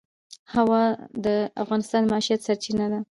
هوا د افغانانو د معیشت سرچینه ده.